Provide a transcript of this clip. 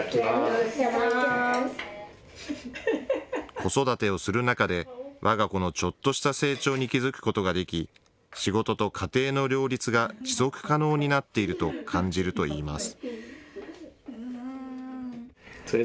子育てをする中でわが子のちょっとした成長に気付くことができ、仕事と家庭の両立が持続可能になっていると感じるといいます。